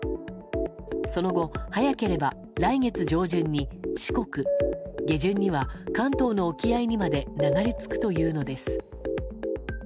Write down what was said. その後、早ければ来月上旬に四国下旬には関東の沖合にまで流れ着くというのです。